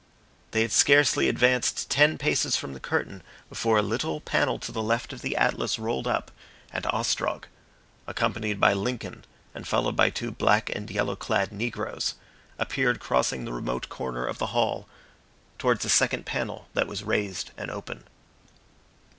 They had scarcely advanced ten paces from the curtain before a little panel to the left of the Atlas rolled up, and Ostrog, accompanied by Lincoln and followed by two black and yellow clad negroes, appeared crossing the remote corner of the hall, towards a second panel that was raised and open.